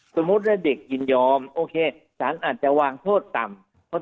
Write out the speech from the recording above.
สมมุติว่าเด็กยินยอมโอเคสารอาจจะวางโทษต่ำ